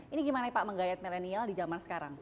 ini gimana pak menggayat milenial di zaman sekarang